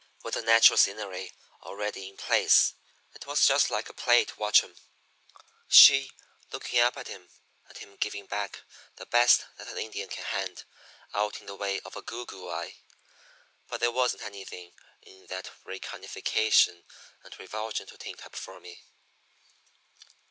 With the natural scenery already in place, it was just like a play to watch 'em she looking up at him, and him giving her back the best that an Indian can hand, out in the way of a goo goo eye. But there wasn't anything in that recarnification and revulsion to tintype for me.